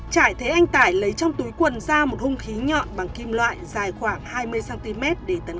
trải thấy anh tải lấy trong túi quần ra một hung khí nhọn bằng kim loại dài khoảng hai mươi cm để tấn công